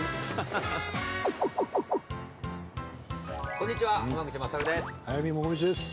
こんにちは、濱口優です。